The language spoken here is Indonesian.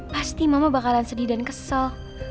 pasti mama bakalan sedih dan kesal